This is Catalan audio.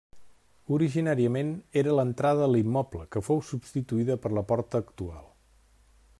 Originàriament era l'entrada a l'immoble que fou substituïda per la porta actual.